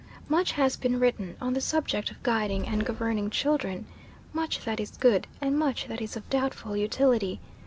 Much has been written on the subject of guiding and governing children much that is good, and much that is of doubtful utility.